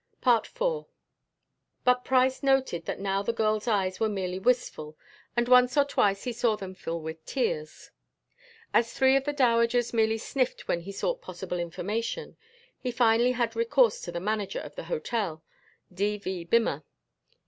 IV But Price noted that now the girl's eyes were merely wistful, and once or twice he saw them fill with tears. As three of the dowagers merely sniffed when he sought possible information, he finally had recourse to the manager of the hotel, D.V. Bimmer.